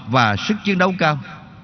và sức chiến đấu cao